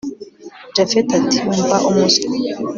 japhet ati umva umuswa